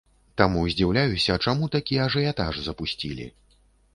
Таму здзіўляюся, чаму такі ажыятаж запусцілі.